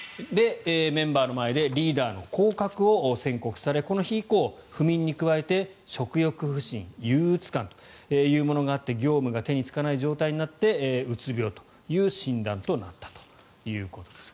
メンバーの前でリーダーの降格を宣告されこの日以降、不眠に加えて食欲不振憂うつ感というものがあって業務が手につかない状態になってうつ病という診断となったということです。